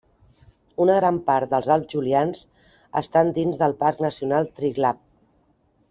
Una gran part dels Alps julians estan dins del Parc Nacional Triglav.